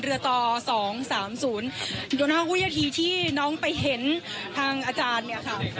เรือต่อ๒๓๐ตัวหน้าคุยทีที่น้องไปเห็นทางอาจารย์เนี่ยครับ